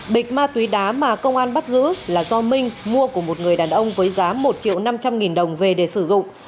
bịch ma túy đá mà công an bắt giữ là do minh mua của một người đàn ông với giá một triệu năm trăm linh nghìn đồng về để sử dụng